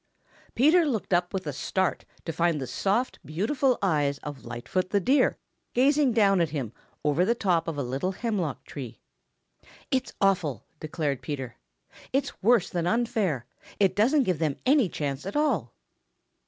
Peter looked up with a start to find the soft, beautiful eyes of Lightfoot the Deer gazing down at him over the top of a little hemlock tree. "It's awful," declared Peter. "It's worse than unfair. It doesn't give them any chance at all."